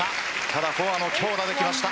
ただ、フォアの強打できました。